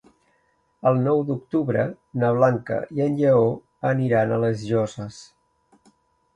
El nou d'octubre na Blanca i en Lleó aniran a les Llosses.